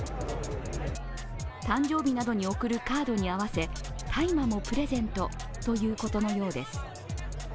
誕生日などに贈るカードに合わせ大麻もプレゼントということのようです。